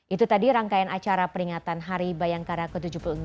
itu tadi rangkaian acara peringatan hari bayangkara ke tujuh puluh enam